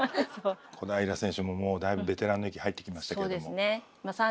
小平選手ももうだいぶベテランの域に入ってきましたけれども。